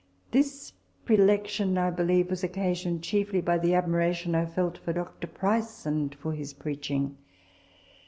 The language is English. This predilection, I believe, was occasioned chiefly by the admiration I felt for Dr. Price and for his preaching.